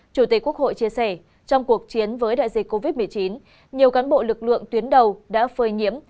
chủ tịch quốc hội chia sẻ trong cuộc chiến với đại dịch covid một mươi chín nhiều cán bộ lực lượng tuyến đầu đã phơi nhiễm